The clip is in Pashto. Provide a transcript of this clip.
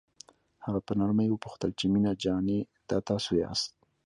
هغه په نرمۍ وپوښتل چې مينه جانې دا تاسو یاست.